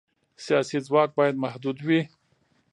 سیاسي ځواک باید محدود وي